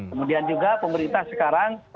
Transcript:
kemudian juga pemerintah sekarang